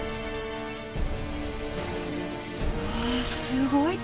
うわあすごいき。